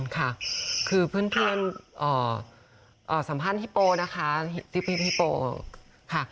ค่ะคือเพื่อนอ๋อสัมภัณฑ์ฮิโปนะคะฮิโปค่ะ